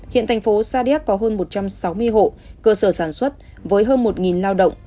hiện thành phố sa điếc có hơn một trăm sáu mươi hộ cơ sở sản xuất với hơn một lao động